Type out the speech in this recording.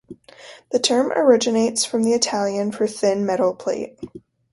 The term originates from the Italian for "thin metal plate".